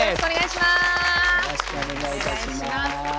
よろしくお願いします。